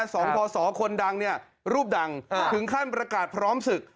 สองพศคนดังเนี่ยรูปดังถึงขั้นประกาศพร้อมศึก